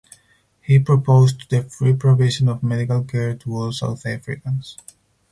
He proposed the free provision of medical care to all South Africans.